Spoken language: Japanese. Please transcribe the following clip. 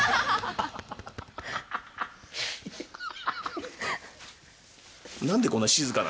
ハハハ！